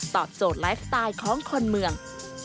โจทย์ไลฟ์สไตล์ของคนเมือง